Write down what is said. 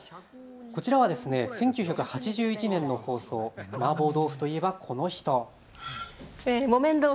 こちらは１９８１年の放送、マーボー豆腐といえばこの人。